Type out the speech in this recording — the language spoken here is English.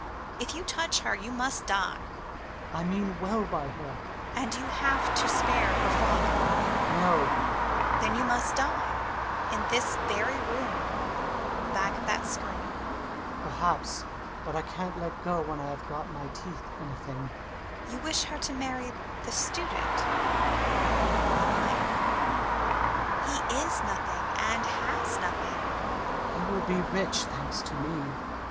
If you touch her, you must die ! Hummel. I mean well by her ! Mummy. And you have to spare her father ! Hxtmmel. No! MuiiMY. Then you must die in this very room .... back of that screen .... Hummel. Perhaps but I can't let go when I have got my teeth in a thing Mummy. You wish to marry her to the Student? Why? He is nothing and has nothing. Hummel. He will be rich, thanks to me.